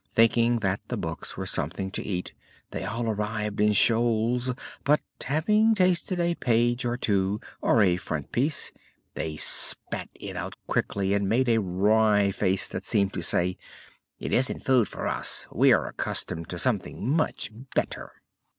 Thinking that the books were something to eat they all arrived in shoals, but, having tasted a page or two, or a frontispiece, they spat it quickly out and made a wry face that seemed to say: "It isn't food for us; we are accustomed to something much better!"